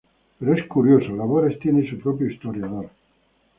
Pero es curioso, Labores tiene su propio historiador.